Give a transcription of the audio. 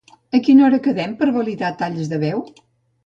A quina hora quedem per validar talls de veu?